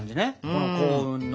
この幸運の。